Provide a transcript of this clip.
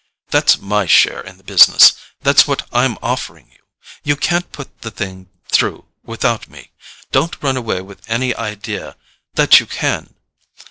That's MY share in the business—that's what I'm offering you. You can't put the thing through without me—don't run away with any idea that you can.